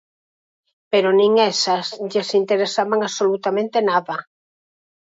Pero nin esas lles interesaban absolutamente nada.